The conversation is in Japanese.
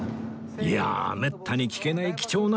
いやめったに聞けない貴重な話